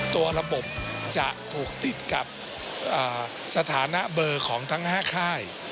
ตัวระบบจะผูกติดกับสถานะเบอร์ของทั้ง๕ค่าย